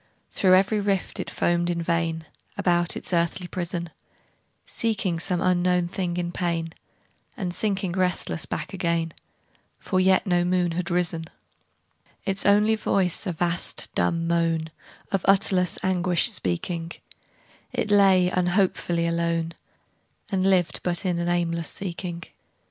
Through every rift it foamed in vain, About its earthly prison, Seeking some unknown thing in pain, And sinking restless back again, For yet no moon had risen: Its only voice a vast dumb moan, Of utterless anguish speaking, It lay unhopefully alone, And lived but in an aimless seeking.